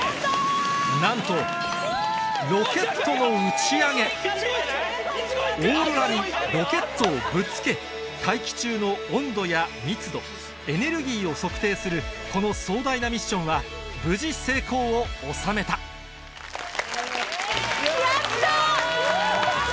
なんとオーロラにロケットをぶつけ大気中の温度や密度エネルギーを測定するこの壮大なミッションは無事成功を収めたやった！